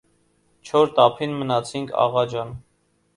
- Չոր տափին մնացինք, աղա ջան…